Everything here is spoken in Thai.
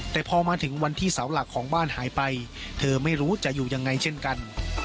แต่พอมาถึงวันที่เสาหลักของบ้านหายไปเธอไม่รู้จะอยู่ยังไงเช่นกัน